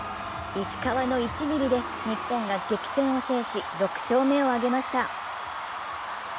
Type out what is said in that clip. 石川の１ミリで日本が激戦を制し、６勝目を挙げました。